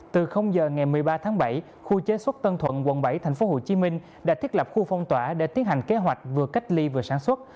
từ giờ ngày một mươi ba tháng bảy khu chế xuất tân thuận quận bảy tp hcm đã thiết lập khu phong tỏa để tiến hành kế hoạch vừa cách ly vừa sản xuất